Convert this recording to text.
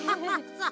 そう？